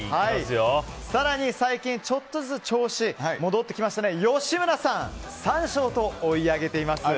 更に、最近ちょっとずつ調子が戻ってきました吉村さん３勝と追い上げています。